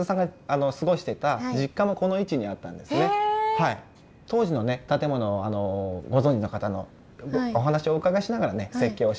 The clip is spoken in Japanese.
はい当時のね建物をご存じの方のお話をお伺いしながら設計をしまして。